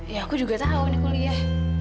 ya aku juga tahu nih kuliah